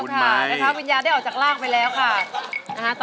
วิญญาณได้ออกจากล่างไปแล้วค่ะ